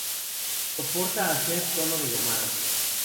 Soporta hacer tono de llamada.